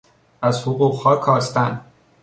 از حقوقها کاستن